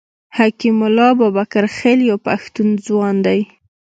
حکیم الله بابکرخېل یو پښتون ځوان دی.